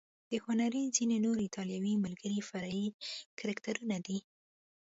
د هنري ځینې نور ایټالوي ملګري فرعي کرکټرونه دي.